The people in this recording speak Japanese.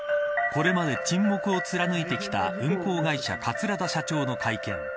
これまで沈黙を貫いてきた運航会社、桂田社長の会見。